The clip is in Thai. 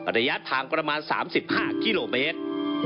ระยะทางประมาณ๓๕กิโลเมตร